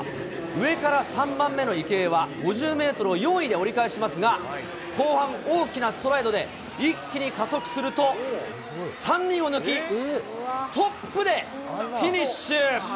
上から３番目の池江は、５０メートルを４位で折り返しますが、後半、大きなストライドで一気に加速すると、３人を抜き、トップでフィニッシュ。